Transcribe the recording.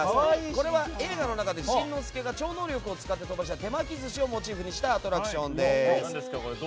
これは映画の中でしんのすけが超能力を使って飛ばした手巻き寿司をモチーフにしたアトラクションです。